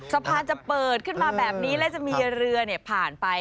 สะพานจะเปิดขึ้นมาแบบนี้และจะมีเรือผ่านไป